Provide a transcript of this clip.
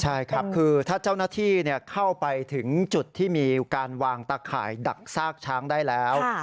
ใช่ครับคือถ้าเจ้าหน้าที่เข้าไปถึงจุดที่มีการวางตะข่ายดักซากช้างได้แล้ว